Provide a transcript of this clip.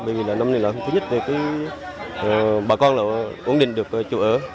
vì năm nay là thứ nhất bà con ổn định được chủ ở